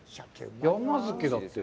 山漬けだって。